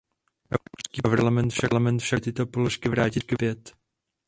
Evropský parlament však navrhuje tyto položky vrátit zpět.